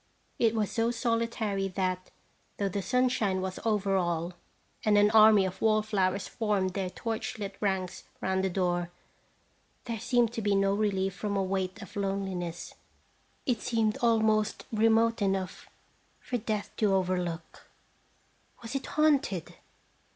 It was so solitary that, though the sunshine was over all, and an army of wall flowers formed their torch lit ranks round the door, there seemed to be no relief from a weight of loneliness. It seemed almost remote enough for Death to overlook. Was it haunted?